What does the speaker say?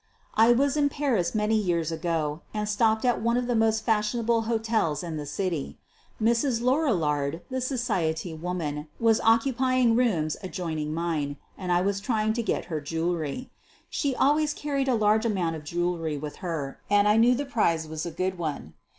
I was in Paris many years ago and stopping at one of the most fashionable hotels in the city. Mrs. Lorillard, the society woman, was occupying rooms adjoining mine, and I was trying to get her jewelry. She always carried a great amount of jewelry with her, and I knew the prize was a good one.